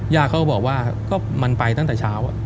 ยาเขาก็บอกว่าก็มันไปตั้งแต่เช้า